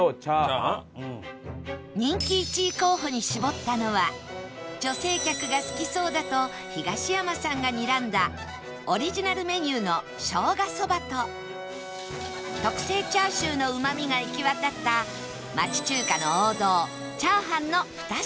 人気１位候補に絞ったのは女性客が好きそうだと東山さんがにらんだオリジナルメニューのしょうがそばと特製チャーシューのうまみが行き渡った町中華の王道炒飯の２品